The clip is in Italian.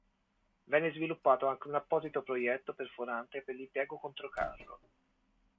Venne sviluppato anche un apposito proietto perforante per l'impiego controcarro.